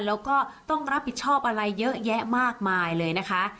แล้วก็ต้องรับผิดชอบอะไรเยอะแยะมากมายเลยนะคะ